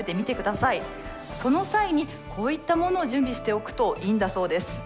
その際にこういったものを準備しておくといいんだそうです。